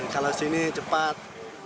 kalau di sini cepat